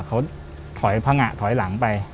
เขาถอยพังงะถอยหลังไป